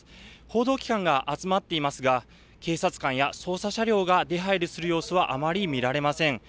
報道機関が集まっていますが、警察官や捜査車両が出はいりする様子は、あまり見られません。